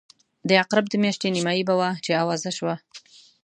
د عقرب د میاشتې نیمایي به وه چې آوازه شوه.